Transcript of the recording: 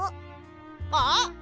あっ！